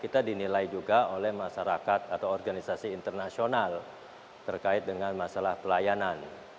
kita dinilai juga oleh masyarakat atau organisasi internasional terkait dengan masalah pelayanan